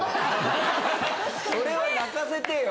それは鳴かせてよ。